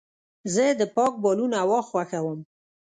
زه د پاک بالون هوا خوښوم.